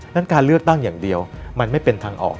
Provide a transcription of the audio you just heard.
นั้นการเลือกตั้งอย่างเดียวมันไม่เป็นทางออก